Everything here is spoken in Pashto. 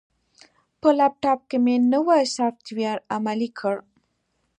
په لپټاپ کې مې نوی سافټویر عملي کړ.